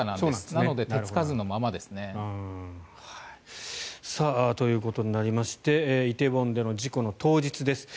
なので手付かずのままですね。ということになりまして梨泰院の事故の当日です。